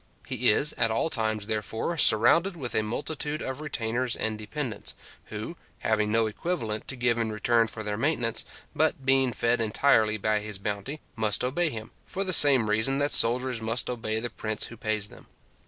He is at all times, therefore, surrounded with a multitude of retainers and dependants, who, having no equivalent to give in return for their maintenance, but being fed entirely by his bounty, must obey him, for the same reason that soldiers must obey the prince who pays them.